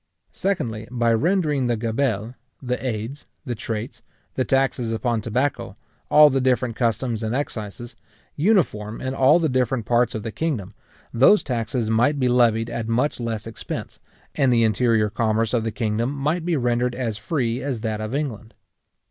Secondly, by rendering the gabelle, the aides, the traites, the taxes upon tobacco, all the different customs and excises, uniform in all the different parts of the kingdom, those taxes might be levied at much less expense, and the interior commerce of the kingdom might be rendered as free as that of England.